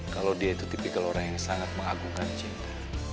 kalau dia itu tipikal orang yang sangat mengagumkan cinta